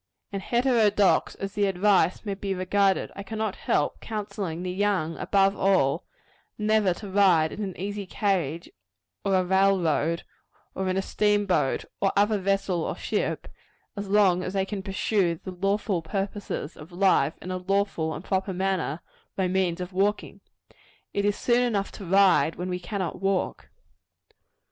And heterodox as the advice may be regarded, I cannot help counselling the young, above all, never to ride in an easy carriage, or a railroad, or in a steamboat or other vessel or ship, as long as they can pursue the lawful purposes of life, in a lawful and proper manner, by means of walking. It is soon enough to ride when we cannot walk.